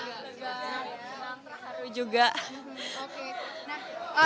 selamat hari juga